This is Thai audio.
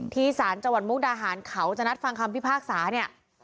สารจังหวัดมุกดาหารเขาจะนัดฟังคำพิพากษาเนี่ย